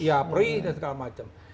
ya peri dan segala macam